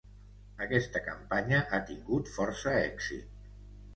Aquesta campanya ha tingut força èxit.